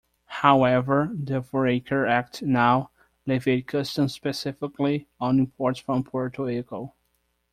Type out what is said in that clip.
However, the Foraker Act now levied customs specifically on imports from Puerto Rico.